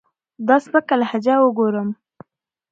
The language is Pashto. دا سپکه لهجه اوګورم